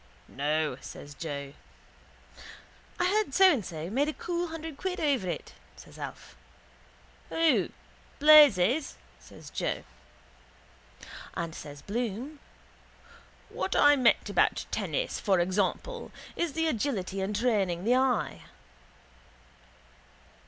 —No, says Joe. —I heard So and So made a cool hundred quid over it, says Alf. —Who? Blazes? says Joe. And says Bloom: —What I meant about tennis, for example, is the agility and training the eye.